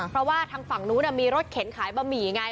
เพราะว่าทางฝั่งนู้นมีรถเข็นขายบะหมี่ไง